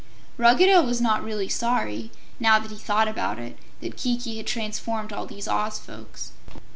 Ruggedo was not really sorry, now that he thought about it, that Kiki had transformed all these Oz folks.